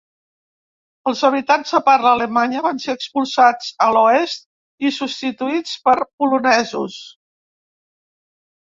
Els habitants de parla alemanya van ser expulsats a l'oest i substituïts per polonesos.